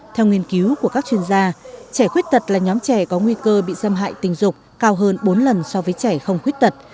theo nghiên cứu của các chuyên gia trẻ khuyết tật là nhóm trẻ có nguy cơ bị xâm hại tình dục cao hơn bốn lần so với trẻ không khuyết tật